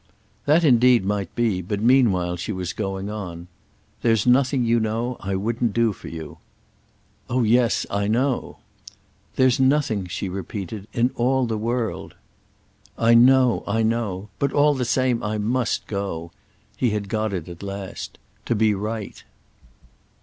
That indeed might be, but meanwhile she was going on. "There's nothing, you know, I wouldn't do for you." "Oh yes—I know." "There's nothing," she repeated, "in all the world." "I know. I know. But all the same I must go." He had got it at last. "To be right."